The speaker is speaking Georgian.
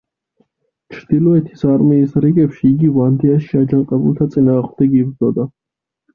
ჩრდილოეთის არმიის რიგებში იგი ვანდეაში აჯანყებულთა წინააღმდეგ იბრძოდა.